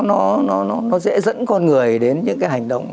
nó dễ dẫn con người đến những cái hành động